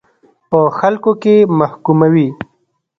په خلکو کې محکوموي.